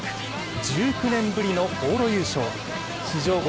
１９年ぶりの往路優勝。